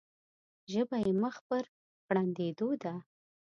ژبه یې مخ پر غړندېدو ده.